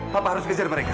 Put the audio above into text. papa harus mengejar mereka